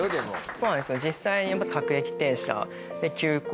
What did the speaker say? そうなんですよ実際。